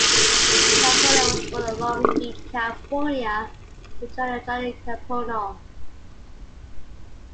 Kapono was born in Long Beach, California to Joe and Joni Kapono.